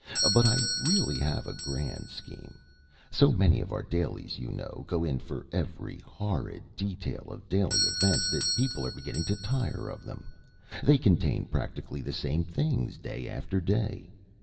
But I really have a grand scheme. So many of our dailies, you know, go in for every horrid detail of daily events that people are beginning to tire of them. They contain practically the same things day after day.